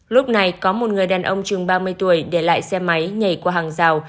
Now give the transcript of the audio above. lúc này có một người đàn ông chừng ba mươi tuổi để lại xe máy nhảy qua hàng rào